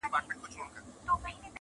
اوس ماشومان وینم له پلاره سره لوبي کوي-